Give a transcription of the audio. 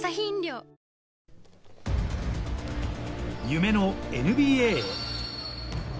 夢のＮＢＡへ。